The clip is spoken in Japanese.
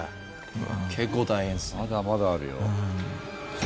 まだまだあるよ。